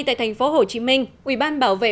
tại thành phố hồ chí minh quỹ ban bảo vệ